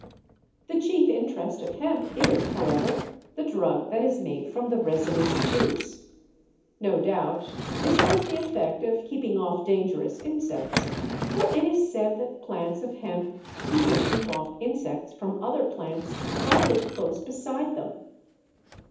The chief interest of hemp is, however, the drug that is made from the resinous juice. No doubt this has the effect of keeping off dangerous insects, for it is said that plants of hemp even keep off insects from other plants planted close beside them.